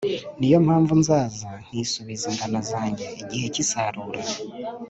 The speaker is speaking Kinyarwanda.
Ni yo mpamvu nzaza nkisubiza ingano zanjye igihe cy’isarura,